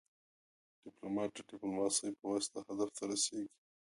ډيپلومات د ډيپلوماسي پواسطه هدف ته رسیږي.